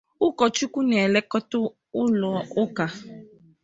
ụkọchukwu na-elekọta ụlọ ụka 'St